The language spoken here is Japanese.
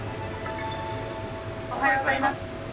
「おはようございます」。